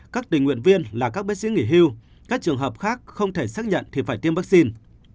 các tình nguyện viên là các bác sĩ nghỉ hưu các trường hợp khác không thể xác nhận thì phải tiêm vaccine